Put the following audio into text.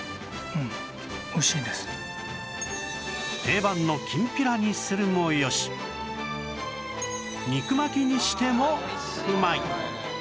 定番のきんぴらにするもよし肉巻きにしてもうまい！